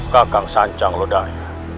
kekang sancang lodaya